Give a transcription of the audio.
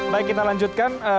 baik kita lanjutkan